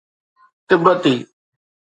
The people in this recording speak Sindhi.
تبتي